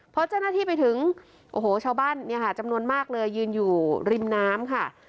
พอเจ้าหน้าที่ไปถึงโอ้โหชาวบ้านเนี่ยค่ะจำนวนมากเลยยืนอยู่ริมน้ำค่ะ